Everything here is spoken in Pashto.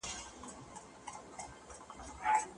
اسلام د انساني کرامت د ساهمېشهو ضامن دی.